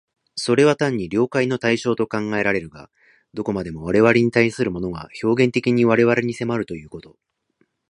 それは単に了解の対象と考えられるが、どこまでも我々に対するものが表現的に我々に迫るということ、